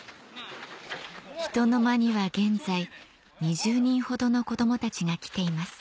ひとのまには現在２０人ほどの子どもたちが来ています